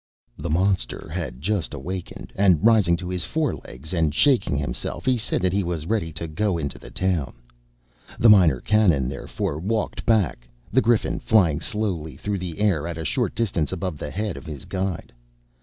The monster had just awakened, and rising to his fore legs and shaking himself, he said that he was ready to go into the town. The Minor Canon, therefore, walked back, the Griffin flying slowly through the air, at a short distance above the head of his guide.